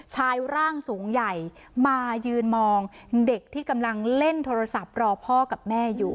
ชายร่างสูงใหญ่มายืนมองเด็กที่กำลังเล่นโทรศัพท์รอพ่อกับแม่อยู่